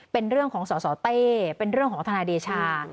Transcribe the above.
เป็นเรื่องของสสเต้เป็นเรื่องของทนายเดชา